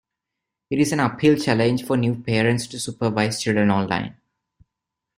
It is an uphill challenge for new parents to supervise children online.